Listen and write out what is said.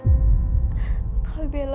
dia juga lupa wajah ayah